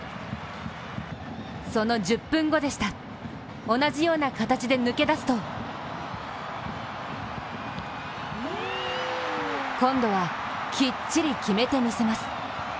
その１０分後でした、同じような形で抜け出すと今度はきっちり決めてみせます。